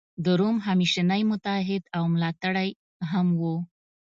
د روم همېشنی متحد او ملاتړی هم و.